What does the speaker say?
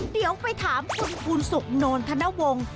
เดี๋ยวไปถามคุณภูนสุขโนนธนวงศ์